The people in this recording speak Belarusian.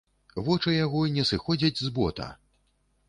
Вочы яго не сыходзяць з бота.